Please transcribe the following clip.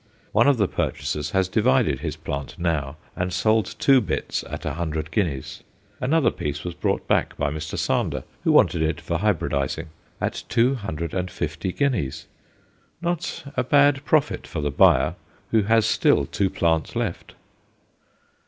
One of the purchasers has divided his plant now and sold two bits at 100 guineas. Another piece was bought back by Mr. Sander, who wanted it for hybridizing, at 250 guineas not a bad profit for the buyer, who has still two plants left.